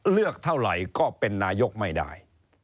เลือกเท่าไหร่ก็เป็นนายกไม่ได้